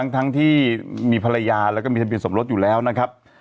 ทั้งที่มีภรรยาและมีท่านเปลี่ยนสมรสอยู่แล้วนะครับ